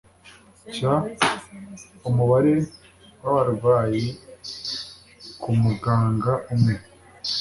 cy umubare w abarwayi ku muganga umwe